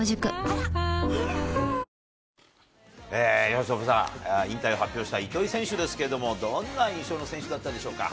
由伸さん、引退を発表した糸井選手ですけれども、どんな印象の選手だったでしょうか。